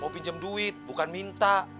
mau pinjam duit bukan minta